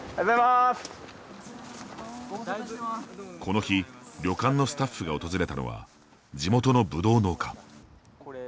この日、旅館のスタッフが訪れたのは地元のぶどう農家。